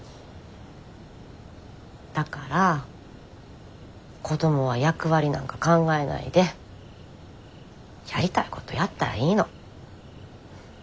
だから子どもは役割なんか考えないでやりたいことやったらいいの。